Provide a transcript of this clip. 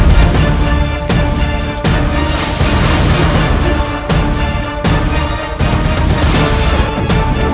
kau tidak akan sanggap